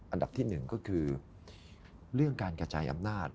อันดับที่๑ก็คือเรื่องการกระจายอำนาจ